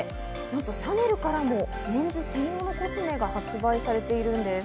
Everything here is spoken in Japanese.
なんとシャネルからもメンズ専用のコスメが発売されているんです。